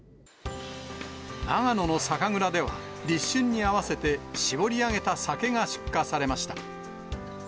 長野の酒蔵では、立春に合わせて搾り上げた酒が出荷されました。